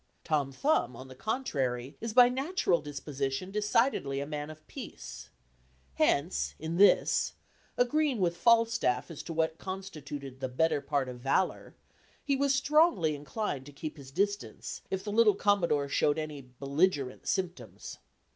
Tom Thumb, on the contrary, is by natural disposition decidedly a man of peace; hence, in this, agreeing with Falstaff as to what constituted the "better part of valor," he was strongly inclined to keep his distance, if the little Commodore showed any belligerent symptoms.